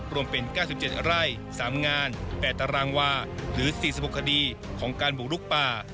รวมเป็น๙๗ไร่๓งาน๘ตารางวาหรือ๔๖คดีของการบุกลุกป่า